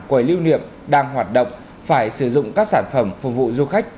quầy lưu niệm đang hoạt động phải sử dụng các sản phẩm phục vụ du khách